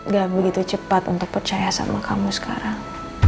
gak begitu cepat untuk percaya sama kamu sekarang